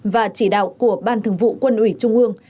và chỉ đạo của ban thường vụ quân ủy trung ương